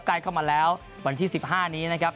ใกล้เข้ามาแล้ววันที่๑๕นี้นะครับ